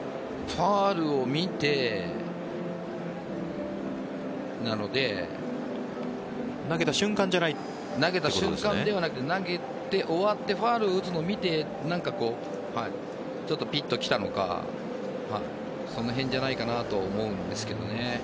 ファウルを見てなので投げた瞬間ではなくて投げ終わってファウルを打つのを見て何かピッときたのかその辺じゃないかなとは思うんですけどね。